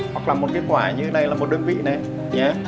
hoặc là một cái quả như đây là một đơn vị này